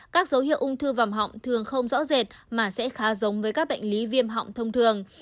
các dấu hiệu ung thư vòng họng thường không rõ rệt mà sẽ khá giống với các bệnh lý viêm họng thông thường